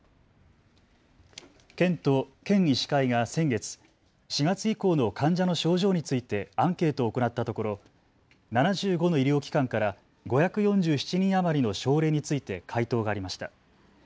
県と県医師会が先月、４月以降の患者の症状についてアンケートを行ったところ、７５の医療機関から５４７人余りの症例について回答がありました。